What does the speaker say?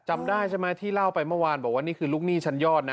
จำได้ใช่ไหมที่เล่าไปเมื่อวานบอกว่านี่คือลูกหนี้ชั้นยอดนะ